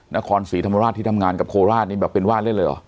นครศรีธรรมราชที่ทำงานกับโคราชนี่แบบเป็นวาดเล่นเลยเหรอ